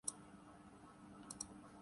جو بھی حقائق ہوں۔